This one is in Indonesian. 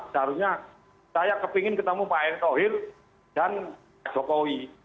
seharusnya saya kepingin ketemu pak erick thohir dan pak jokowi